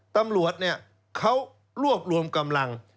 ตำรวจเขารวบรวมกำลัง